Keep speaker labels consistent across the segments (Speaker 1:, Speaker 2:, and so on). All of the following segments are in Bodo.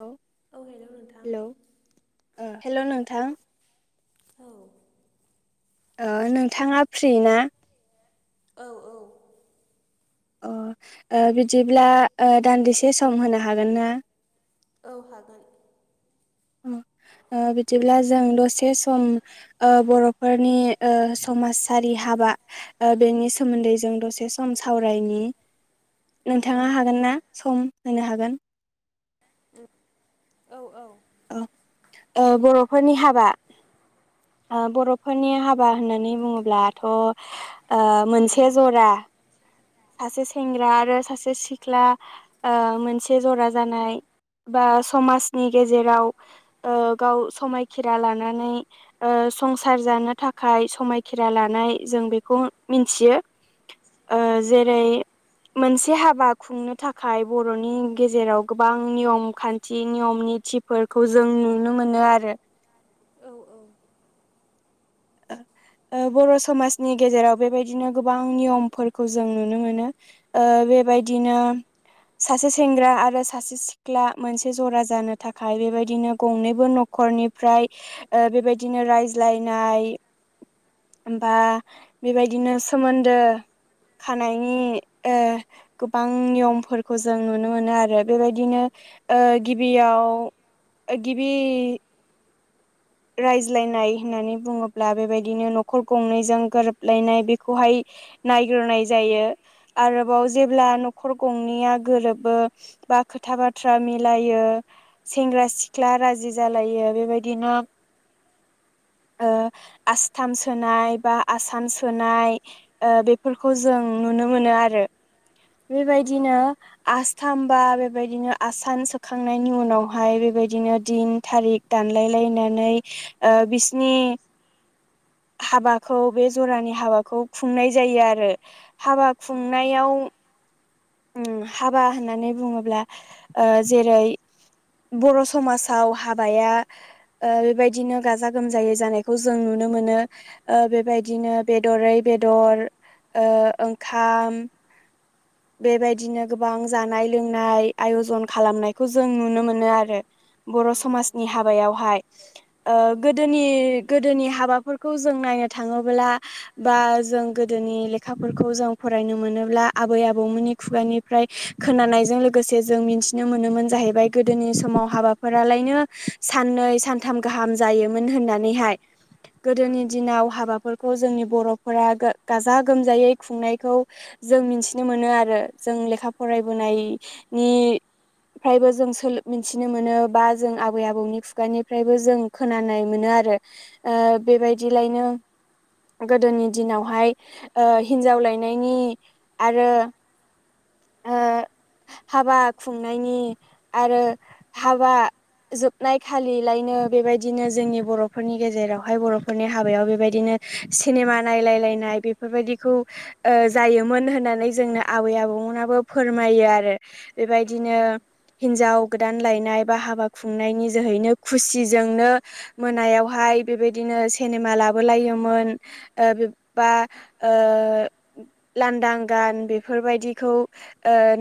Speaker 1: औ
Speaker 2: औ हेल' नोंथां
Speaker 1: हेलौ ओ हेल' नोंथां
Speaker 2: औ
Speaker 1: ओ नोंथाङा फ्रि ना?
Speaker 2: औ औ
Speaker 1: अ ओ बिदिब्ला दान्दिसे सम होनो हागोन ना?
Speaker 2: औ हागोन
Speaker 1: ओ बिदिब्ला जों दसे सम ओ बर'फोरनि ओ समाजारि हाबा ओ बेनि सोमोन्दै जों दसे सम सावरायनि
Speaker 2: औ औ
Speaker 1: नोंथाङा हागोन ना सम होनो हागोन?
Speaker 2: [unintelligible] औ औ
Speaker 1: औ ओ बर'फोरनि हाबा ओ बर'फोरनि हाबा होननानै बुङोब्लाथ' ओ मोनसे जरा। सासे सेंग्रा आरो सासे सिख्ला ओ मोनसे जरा जानाय। बा समाजनि गेजेराव ओ गाव समायखिरा लानानै संसार जानो थाखाय समायखेरा लानाय जों बेखौ मिन्थियो ओ
Speaker 2: औ
Speaker 1: जेरै मोनसे हाबा खुंनो थाखाय बर'नि गेजेराव गोबां नियम खान्थि नियम नि थि फोरखौ जों नुनो मोनो आरो
Speaker 2: औ औ
Speaker 1: ओ बर' समाजनि गेजेराव बेबायदिनो गोबां नियमफोरखौ जों नुनो मोनो ओ बेबायदिनो सासे सेंग्रा आरो सासे सिख्ला मोनसे जरा जानो थाखाय बेबायदिनो गंनैबो नख रनिफ्राय बेबायदिनो रायज्लायनाय होमबा बेबायदिनो सोमोन्दो खानायनि ओ गोबां नियमफोरखौ जों नुनो मोनो आरो बेबायदिनो ओ गिबियाव ओ गिबि रायज्लायनाय होननानै बुङोब्ला बेबायदिनो न'खर गंनैजों गोरोबलायनाय बेखौहाय नायग्रोनाय जायो आरोबाव जेब्ला न'खर गंनैया गोरोबो बा खोथा बाथ्रा मिलायो। सेंग्रा सिख्ला राजि जालायो बेबायदिनो ओ आस्थाम सोनाय बा आसाम सोनाय। ओ बेफोरखौ जों नुनो मोनो आरो
Speaker 2: औ औ
Speaker 1: बेबायदिनो आस्थाम बा बेबायदिनो आसान सोखांनायनि उनावहाय बेबायदिनो दिन थारिक दानलायलायनानै बिसिनि हाबाखौ बे जरानि हाबाखौ खुंनाय जायो आरो हाबा खुंनायाव उम हाबा होननानै बुङोब्ला ओ जेरै बर' समाजाव हाबाया ओ बेबायदिनो गाजा गोमजायै जानायखौ जों नुनो मोनो। ओ बेबायदिनो बेदरै बेदर ओ ओंखाम बेबायदिनो गोबां जानाय लोंनाय आयजन खालामनायखौ जों नुनो मोनो आरो बर' समाजनि
Speaker 2: औ
Speaker 1: हाबायावहाय ओ गोदोनि गोदोनि हाबाफोरखौ जों नायनो थाङोब्ला बा जों गोदोनि लेखाफोरखौ जों फरायनो मोनोब्ला आबै आबौ मोननि खुगानिफ्राय खोनानायजों लोगोसे जों मिथिनो मोनोमोन जाहैबाय गोदोनि समाव हाबा फोरालायनो साननै सानथाम गाहाम जायोमोन होननानैहाय। गोदोनि दिनाव हाबाफोर खौ जोंनि बर'फोरा गाजा गोमजायै खुंनायखौ जों मिथि नो मोनो आरो जों लेखा फरायबोनाय नि फ्रायबो जों सोलों मिन्थिनो मोनो बा जों आबै आबौनि खुगानिफ्रायबो जों खोनानाय मोनो आरो ओ बेबायदिलायनो गोदोनि दिनावहाय ओ हिनजाव लायनायनि आरो ओ हाबा खुंनायनि आरो हाबा जोबनाय खालिलायनो बेबायदिनो जोंनि बर'फोरनि गेजेरावहाय बर'फोरनि हाबायाव बेबायदिनो सेनेमा नायलायलायनाय बेफोरबायदिखौ ओ जायोमोन होन होननानै जोंनो आबै आबौमोनाबो फोरमायो आरो बेबायदिनो हिनजाव गोदान लायनाय बा हाबा खुंनायनि जोहैनो खुसिजोंनो मोनायावहाय बेबायदिनो सिनेमा लाबोलायोमोन। बा लांदां गान बेफोरबायदिखौ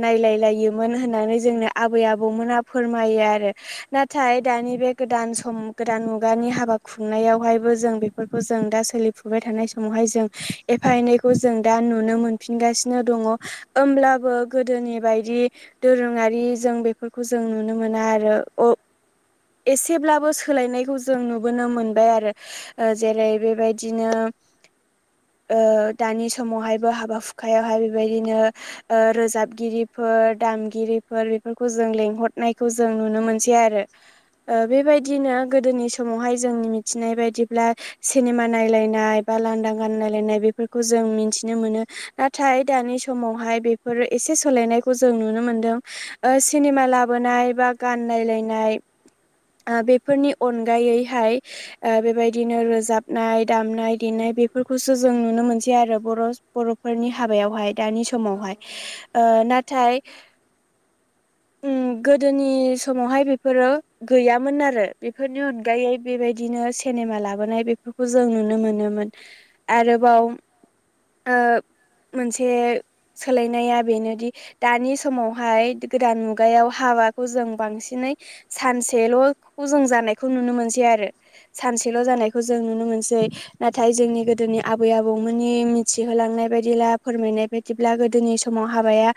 Speaker 1: नायलायलायोमोन होननानै जोंनो आबै आबौमोना फोरमायो आरो नाथाय दानि बे गोदान सम गोदान मुगानि हाबा खुंनायावहायबो जों बेफोरखौ जों दा सोलिफुबाय थानाय समावहाय जों एफा एनैखौ जों दा नुनो मोनफिनगासिनो दङ होमब्लाबो गोदोनि बायदि दोरोङारि जों बेफोरखौ जों नुनो मोना आरो [unintelligible] एसेब्लाबो सोलायनायखौ जों नुबोनो मोनबाय आरो जेरै बेबायदिनो दानि समावहायबो हाबा हुखायावहाय बेबायदिनो रोजाबगिरिफोर दामगिरिफोर बेफोरखौ जों लेंहरनायखौ जों नुनो मोनसै आरो ओ बेबाय बिदिनो गोदोनि समावहाय जोंनि मिथिनाय बायदिब्ला सिनेमा नायलायनाय बा लांदां गानलायलायनाय बेफोरखौ जों मिथिनो मोनो नाथाय दानि समावहाय बेफोरो एसे सोलायनायखौ जों नुनो मोनदों सिनेमा लाबोनाय बा गानलनायलायनाय बेफोरनि अनगायैहाय। बेबायदिनो रोजाबनाय दामनाय देनाय बेफोरखौसो जों नुनो मोनसै आरो बर' बर'। फोरनि हाबायावहाय दानि समावहाय नाथाय। गोदोनि समावहाय बेफोरो गैयामोन आरो बेफोरनि अनगायै बेबायदिनो सिनेमा लाबोनाय बेफोरखौ जों नुनो मोनोमोन आरोबाव मोनसे सोलायनाया बेनोदि। दानि समावहाय गोदान मुगायाव हाबाखौ जों बांसिनै। सानसेल'खौ जों जानायखौ नुनो मोनसै आरो सानसेल' जानायखौ जों नुनो मोनसै। नाथाय जोंनि गोदोनि आबै आबौमोननि मिथिहोलांनाय बायदि। बिदिला फोरमायनाय बायदिब्ला गोदोनि समाव हाबाया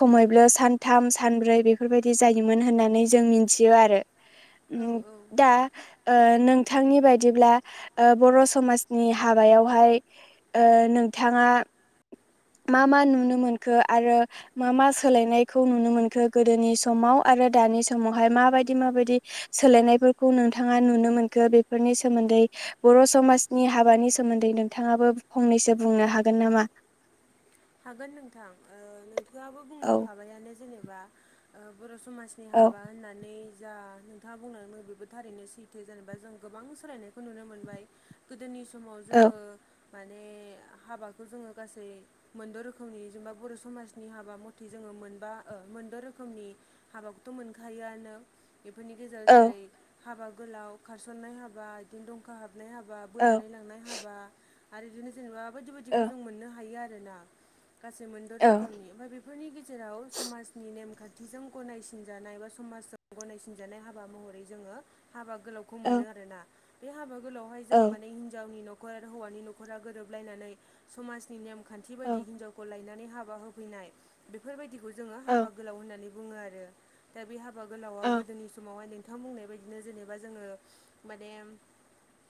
Speaker 1: खमैब्ला सानथाम सानब्रै बे। बेफोरबायदि जायोमोन होननानै जों मिथियो आरो
Speaker 2: औ औ
Speaker 1: दा। नोंथांनि बायदिब्ला बर' समाजनि हाबायावहाय नोंथाङा। मा मा नुनो मोनखो आरो। मा मा सोलायनायखौ नुनो मोनखो गोदोनि समाव आरो दानि समावहाय माबायदि माबायदि। सोलायनायफोरखौ नोंथाङा नुनो मोनखो बेफोरनि सोमोन्दै। बर' समाजनि हाबानि सोमोन्दै नोंथाङाबो फंनैसो बुंनो हागोन नामा।
Speaker 2: हागोन नोंथां नोंथाङआाबो
Speaker 1: औ
Speaker 2: बुंलांखाबायानो जेनेबा बर' समाज।
Speaker 1: औ
Speaker 2: हाबा होननानै जा। खोथा बुंनानैङो बेबो थारैनो सैथो जेनेबा जों गोबां सोलायनायखौ नुनो मोनबाय। गोदोनि समाव
Speaker 1: औ
Speaker 2: जोङो माने हाबाखौ जोङो गासै। मोनद' रोखोमनि जेनेबा बर' समाजनि हाबा मथे जोङो मोनबा मोनद' रोखोमनि। हाबाखौथ' मोनखायोआनो बेफोरनि गेजेराव
Speaker 1: औ
Speaker 2: जेरै हाबा गोलाव खारसननाय हाबा बिदिनो दंखा हाबनाय हाबा।
Speaker 1: औ
Speaker 2: बोनानै लांनाय हाबा आरो बिदिनो जेनेबा बायदि बायदिखौ
Speaker 1: औ
Speaker 2: जों मोननो हायो आरो ना। गासै मोनद'
Speaker 1: औ
Speaker 2: रोखोमनि ओमफ्राय बे बे फोरनि गेजेराव समाजनि नेमखान्थिजों गनायसिनजानाय बा समाजजों गनायसिनजानाय हाबा महरै। जोंङो हाबा गोलावखौ मोनो
Speaker 1: औ
Speaker 2: आरोना बे हाबा गोलावहाय जोङो
Speaker 1: औ
Speaker 2: माने हिनावनि न'। हौवानि न'खरा गोरोबलायनानै समनि नेमखौ। खाथि
Speaker 1: औ
Speaker 2: बायदि हिनजावखौ लायनानै हाबा होफैनाय बेफोरबायदिखौ जोङो
Speaker 1: औ
Speaker 2: हाबा गोलाव होननानै। बुङो आरो दा बे हाबा
Speaker 1: औ
Speaker 2: गोलावाव गोदोनि समावहाय नों। नोंथां बुंनाय बायदिनो जेनेबा जोंङो माने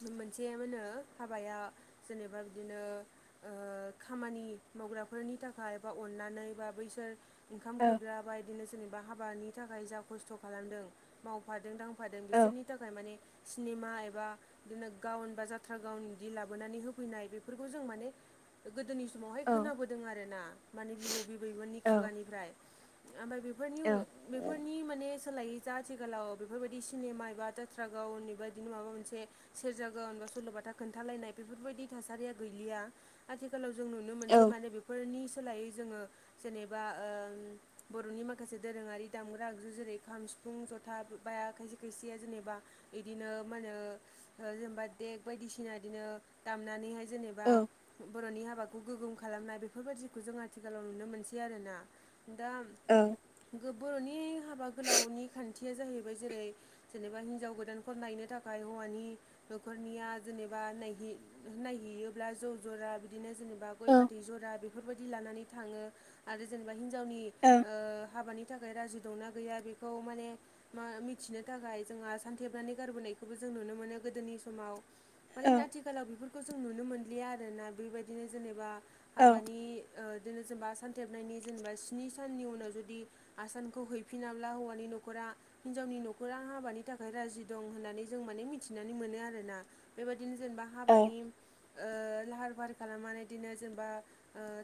Speaker 2: मोनसे मा होनो हाबाया जेनेबा बिदिनो खामानि मावग्राफोरनि थाखाय बा अननानै बा बैसोर ओंखाम खुरग्रा बाय। बिदिनो जेनेबा हाबानि थाखाय जा खस्थ' खालामदों मावफादों दांफादों बिसोरनि थाखाय माने। सिनेमा एबा बिदिनो गावन बा जाथ्रा गावन बिदि लाबोनानै होफैनाय बेफोरखौ जों माने। गोदोनि समावहाय खोनाबोदों आरो ना। माने बिबौ बिबैमोननि
Speaker 1: औ
Speaker 2: खुगानिफ्राय। ओमफ्राय बेफोरनि बेफोरनि माने-' सोलायो जा आथिखालाव बेफोरबायदि सिनेमा एबा जाथ्रा गावनिब बिदिनो माबा मोनसे। सेरजागोन होनबा सल'बाथा खोन्थालायनाय बेफोरबायदि थासारिया गैलिया। आथिखालाव जों नुनो मोनसै माने बेफोरनि सोलायै जोङो। जेनेबा बर'नि माखासे दोरोङारि दामग्रा आगजु जेरै खाम। सिफुं ज'था बाया खायसे खायसेया जेनेबा बिदिनो मा होनो। जेनेबा देग बायदिसिना बिदिनो दामनानैहाय जेनेबा।
Speaker 1: औ औ
Speaker 2: बर'नि हाबाखौ गोगोम खालामनाय बेफोरबायाददिखौ जों आथिखालाव नुनो मोनसै आरोना दा।
Speaker 1: औ।
Speaker 2: बर'नि हाबा गोलावनि खान्थिया जाहैबाय जेरै। जेनेबा हिनजाव गोदानफोर नायनो थाखाय हौवानि। न'खरनिया जेनेबा नायहैयोब्ला ज' जरा। बिदिनो जेनेबा गय फाथै जरा बेफोरबायदि लानानै थाङो। आरो जेनेबा हिन्जावनि हाबानि थाखाय राजि दंना गैया बेखौ माने मा मिथिनो थाखाय जोंहा सानथेबनानै गारबोनायखौबो जों नुनो मोनो गोदोनि समाव मानोना
Speaker 1: औ
Speaker 2: आथिखालाव बेफोरखौ जों नुनो मोनलिया आरोना बेबायदिनो जेनेबा
Speaker 1: औ
Speaker 2: हाबानि बिदिनो जेनेबा सानथेबनायनि जेनेबा स्नि साननि उनाव जुदि-' आसानखौ हैफिनाब्ला हौवानि न'खरा हिनजावनि न'खरा हाबानि थाखाय राजि दं होननानै जों माने मिथिनानै मोनो आरोना। बेबायदिनो जेनेबा हाबानि लाहार फाहार खालामनानै बिदिनो जेनेबा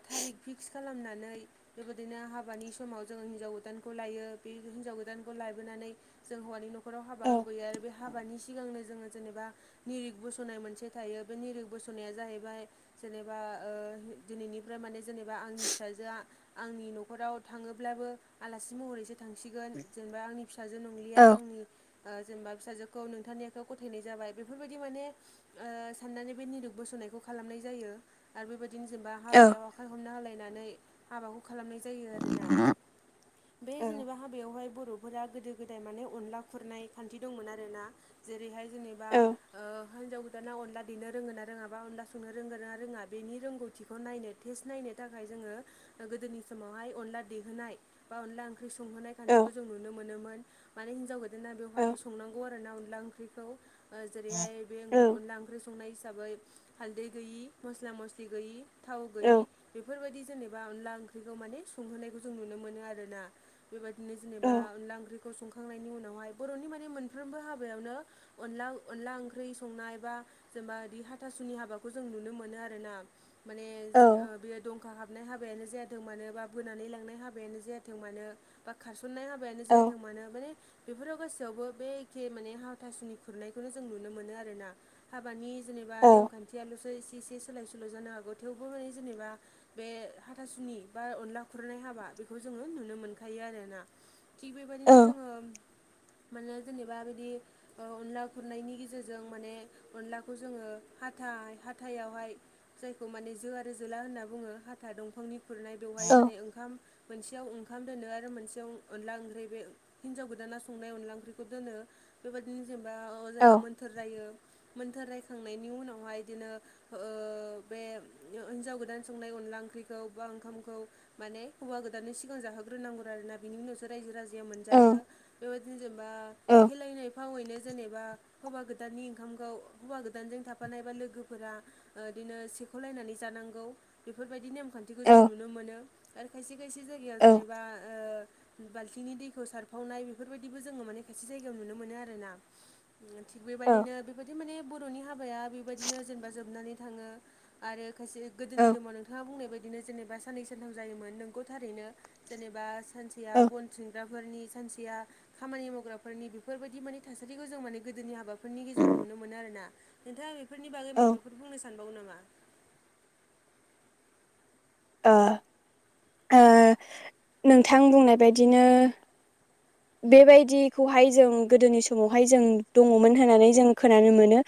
Speaker 2: थारिक फिक्स। खालामनानै बेबायदिनो हाबानि समाव जोंङो हिन्जाव गोदानखौ लायो बे हिनजाव गोदानखौ लाबोनानै जों हौवानि न'खराव हाबा होबोयो आरो बे हाबानि सिगांनो जोंङो जेनेबा निरिट बस'नाय मोनसे थायो। बे निरिट बस'नाया जाहैबाय जेनेबा दिनैनिफ्राय माने जेनेबा आंनि फिसाजोआ आंनि न'खराव थांङोब्लाबो आलासि महरैसो थांसिगोन जेनेबा आंनि फिसाजो नंलिया आंनि जेनेबा फिसाजोखौ नोंथां नि आखायाव ग'थायनाय जाबाय। बेफोरबायदि माने साननानै बे निरिट बस'नायखौ खालामनाय जायो आरो बेबायदिनो जेनेबा हाबायाव आखाइ हमना होलायनानै हाबाखौ खालामनाय जायो आरो ना। बे जेनेबा हाबायावहाय बर'फ ा गोदो गोदाय माने अनला खुरनाय खान्थि दंमोन आरो ना। जेरैहाय जेनेबा हिनजाव गोदाना अनला देनो रोंङोनाङा अनला संनो रोंडो रोङा बेनि रोंगौथिखौ नायनो टेस्ट नायनो थाखाय जोंङो गोदोनि समावहाय अनला देहोनाय बा अनला ओंख्रि संहोनाय
Speaker 1: औ
Speaker 2: खान्थिखौ जों नुनो मोनोमोन माने हिनजाव गोदाना
Speaker 1: औ
Speaker 2: बेवहाय संनांगौ आरो ना अनला ओंख्रिखौ ओ जेरैहाय बे
Speaker 1: औ
Speaker 2: अनला ओंख्रि संनाय हिसाबै हालदै गैयि मस्ला मस्लि गैयि। थाव गैयि
Speaker 1: औ
Speaker 2: बेफोरबायदि जेनेबा अनला ओंख्रिखौ माने संहोनायखौ जों नुनो मोनो आरो ना। बेबायदिनो
Speaker 1: औ
Speaker 2: जेनेबा अनला ओंख्रिखौ संखांनायनि उनावहाय बर'नि माने मोनफ्रोमबो हाबायावनो अनला अनला ओंख्रि संनाय बा जेनेबा बि हाथासुनि हाबा जों नुनो मोन आरो ना। म
Speaker 1: औ
Speaker 2: द अखा हाबनाय हाबायानो जाथों मानो बा बोनानै लांनाय हाबायानो जायाथों मानो? बा खारसननाय हाबायानो
Speaker 1: औ
Speaker 2: जायाथों मानो? माने बेफोराव गासैयावबो बे एखे माने हावथासुनि खुरनायखौनो जों नुनो मोनो आरोना। हाबानि जेनेबा
Speaker 1: औ
Speaker 2: नेमखान्थियाल'सो एसे एसे सोलाय सोल' जानो हागौ थेवबो माने जेनेबा बे हाथासुनि बा अनला खुरनाय हाबा बेखौ जोङो नुनो मोनखायो आरोना। थिग
Speaker 1: औ
Speaker 2: बेबायदिनो जोङो माने जेनेबा बिदि ओ अनला खुरनायनि गेजेरजों माने अनलाखौ जोङो फा थाय हाथायावहाय जायखौ माने जो आरो जोला होनना बुंङो हाथा दंफांनि खुरनाय बेवहाय माने ओंखाम मोनसेयाव ओंखाम दोनो आरो मोनसेयाव अनला ओंख्रि बे हिन्जाव गोदाना संनाय अनला ओंख्रिखौ दोनो बेबायदिनो जेनेबा अ
Speaker 1: औ
Speaker 2: जेरै मोन्थोर रायो मोन्थोर रायखांनायनि उनावहाय बिदिनो बे हिन्जाव गोदान संनाय अनला ओंख्रिखौ बा ओंखामखौ माने हौवा गोदाननि सिगां जाहोग्रोनांगौ आरोना। बिनि उनावसो रायजो राजाया मोनजायो बेबायदिनो जेनेबा खेलायनाय एफावैनो जेनेबा हौवा गोदाननि ओंखामखौ हौवा गोदानजों थाफ बिफानायबा लोगोफोरा बिदिनो सेख'लायनानै जानांगौ बेफोरबायदि नेम आसार खान्थिखौ
Speaker 1: औ
Speaker 2: जों नुनो मोनो। आरो खायसे खायसे जायगायाव जेनेबा बाल्थिंनि दैखौ सारफावनाय बेफोरबायदिबो जोंङो माने खायसे जायगायाव नुनो मोनो आरो ना। थिग
Speaker 1: औ
Speaker 2: बेबायदिनो बेबायदि माने बर'नि हाबाया बेबायदिनो जेनेबा जोबनानै थांङो। आरो खायसे गोदोनि दोमाव नोंथाङा बुंनाय बाय बिदिनो जेनेबा साननै सानथाम जायोन नोंगौ थारैनो जेनेबा सानसेआ बन सिनग्रा फोरनि सानसेया खामानि मावग्राफोरनि बेफोरबायदि माने थासारिखौ जों माने गोदोनि हाबा फोरनि गेजेराव नुनो मोनो आरोना नोंथाङा बेफोरनि बागै
Speaker 1: ओ
Speaker 2: माबाफोर बुंनो सानबावो नामा?
Speaker 1: ओ ओ नोंथां बुंनाय बायदिनो बेबायदिखौहाय जों गोदोनि समावहाय जों दङमोन होननानै जों खोनानो मोनो।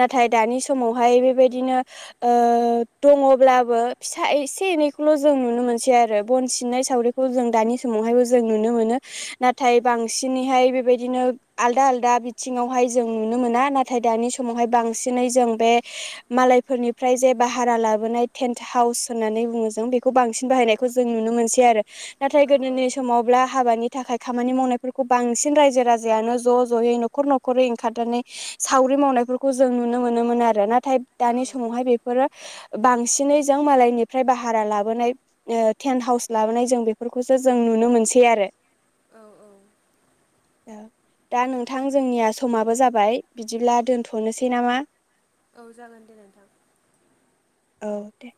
Speaker 1: नाथाय
Speaker 2: उम
Speaker 1: दानि समावहाय बेबायदिनो ओ दंङब्लाबो फिसा एसे एनैखौल' जों नुनो मोनसै आरो बन सिननाय सावरि खौ जों दानि समावहायबो जों नुनो मोनो नाथाय बांसिनैहाय बेबायदिनो आलदा आलदा बिथिङावहाय जों नुनो मोना नाथाय दानि समावहाय बांसिनै जों बे मालायफोरनिफ्राय जे भारा लाबोनाय टेन्ट हाउस होननानै बुङो जों बेखौ बांसिन बाहायनाय खौ जों नुनो मोनसै आरो नाथाय
Speaker 2: औ औ
Speaker 1: गोदोनि समावब्ला हाबानि थाखाय खामानि मावनायफोरखौ बांसिन रायजो राजायानो ज' ज'यै न'खर न'खरै ओंखारनानै सावरि मावनायफोरखौ जों नुनो मोनोमोन आरो नाथाय दानि
Speaker 2: औ
Speaker 1: समावहाय बे फोरो बांसिनै जों मालायनिफ्राय भारा लाबोनाय ओ टेन्ट हाउस लाबोनाय जों बेफोरखौसो जों नुनो मोनसै आरो।
Speaker 2: औ औ।
Speaker 1: औ दा नोंथां जोंनिया समाबो जाबाय बिदिब्ला दोनथ'नोसै नामा?
Speaker 2: औ जागोन दे नोंथां।
Speaker 1: औ दे।